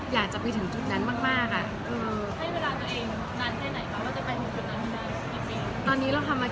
อยากจะไปถึงจุดนั้นมากมากอ่ะอือ